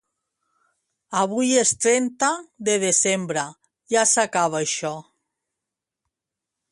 Avui és trenta de desembre, ja s'acaba això!